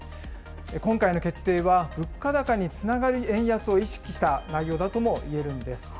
今回の決定は、物価高につながる円安を意識した内容だともいえるんです。